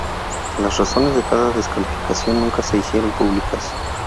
Las razones de cada descalificación nunca se hicieron públicas.